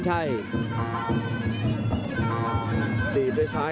พยาบกระแทกมัดเย็บซ้าย